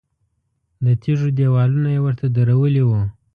د تیږو دیوالونه یې ورته درولي وو.